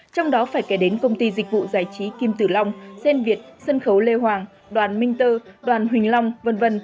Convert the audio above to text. trong đó phải kể đến công ty dịch vụ giải trí kim tử long sen việt sân khấu lê hoàng đoàn minh tơ đoàn huỳnh long v v